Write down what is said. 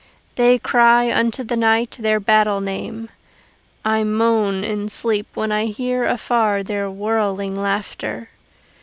They cry unto the night their battle name: I moan in sleep when I hear afar their whirling laughter.